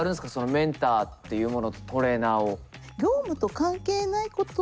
メンターっていうものとトレーナーを。